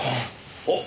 おっ！